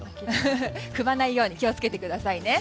踏まないように気を付けてくださいね。